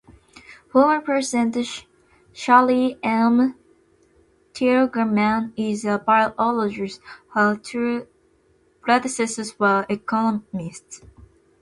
Former President Shirley M. Tilghman is a biologist; her two predecessors were economists.